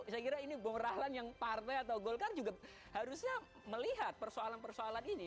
saya kira ini bung rahlan yang partai atau golkar juga harusnya melihat persoalan persoalan ini